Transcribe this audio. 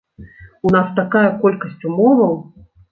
У нас такая колькасць умоваў!